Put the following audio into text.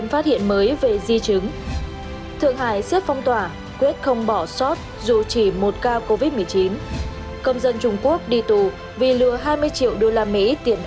vì lừa hai mươi triệu usd tiện hỗ trợ covid một mươi chín ở mỹ